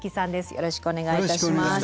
よろしくお願いします。